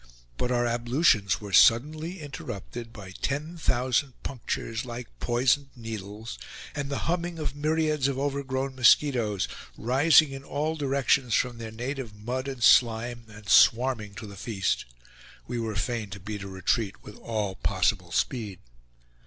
But our ablutions were suddenly interrupted by ten thousand punctures, like poisoned needles, and the humming of myriads of over grown mosquitoes, rising in all directions from their native mud and slime and swarming to the feast. We were fain to beat a retreat with all possible speed.